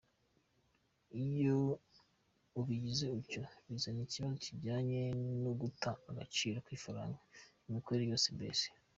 Iyo ubigize utyo bizana ikibazo kijyanye n’uguta agaciro kw’ifaranga, imikorere yose mbese.